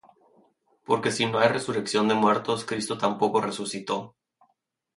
Porque si no hay resurrección de muertos, Cristo tampoco resucitó: